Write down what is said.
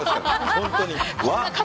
本当に。